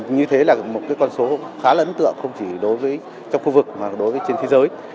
như thế là một con số khá là ấn tượng không chỉ đối với trong khu vực mà đối với trên thế giới